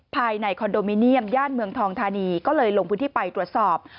ภายในคอนโดมิเนียมย่านเมืองทองธานีก็เลยลงพื้นที่ไปตรวจสอบ